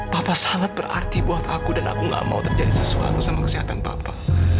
papa sangat berarti buat aku dan aku gak mau terjadi sesuatu sama kesehatan bapak